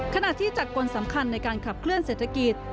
ขณะที่จากกลสำคัญในการขับเคลื่อนเศรษฐกิจ